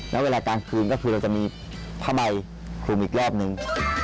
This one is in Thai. แล้วเวลากลางคืนก็คือเราจะมีผ้าใบคลุมอีกรอบนึง